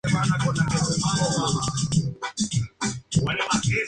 Esto esencialmente significaba que estaban subordinados a la tribu que patrocinó su conversión.